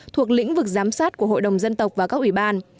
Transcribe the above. thuộc lĩnh vực giám sát của hội đồng dân tộc và các ủy ban